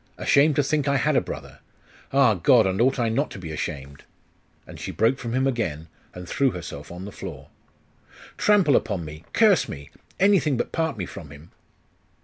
ashamed to think that I had a brother.... Ah, God! and ought I not to be ashamed?' And she broke from him again, and threw herself on the floor. 'Trample upon me; curse me! anything but part me from him!